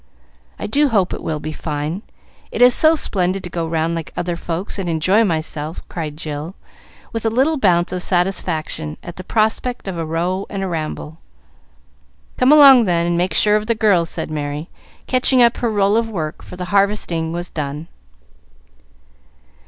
I do hope it will be fine, it is so splendid to go round like other folks and enjoy myself," cried Jill, with a little bounce of satisfaction at the prospect of a row and ramble. "Come along, then, and make sure of the girls," said Merry, catching up her roll of work, for the harvesting was done.